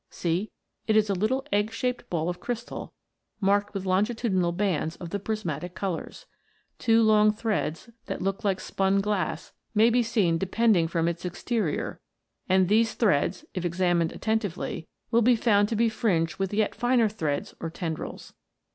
See, it is a little egg shaped ball of crystal, marked with longitudinal bands of the prismatic colours. Two long threads, that look like spun glass, may be seen depending from its exterior, and these threads, if examined attentively, will be found to be fringed with yet finer threads or tendrils.